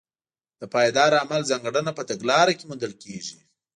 د پایداره عمل ځانګړنه په تګلاره کې موندل کېږي.